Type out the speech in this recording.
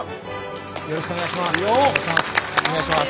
よろしくお願いします。